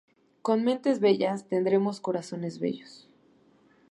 Con mentes bellas tendremos corazones bellos.